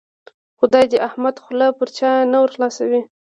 خدای دې د احمد خوله پر چا نه ور خلاصوي.